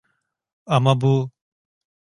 Ama bu...